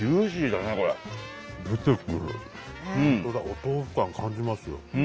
お豆腐感感じますよ。